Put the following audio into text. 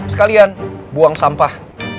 sekalian buang sampah